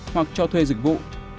hoặc cho thuê dịch vụ